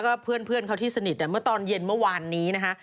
ก็เพื่อนเขาที่สนิทเมื่อตอนเย็นเมื่อวานนี้นะคะ